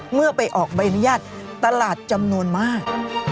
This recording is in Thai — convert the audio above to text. เมื่อไปออกใบอนุญาตตลาดจำนวนมาก